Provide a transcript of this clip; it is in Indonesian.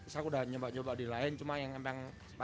saya sudah coba coba di lain cuma yang paling demen disini sih mbak